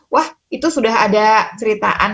wah itu sudah ada ceritaan